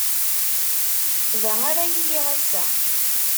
Da ara iliɣ ass-a.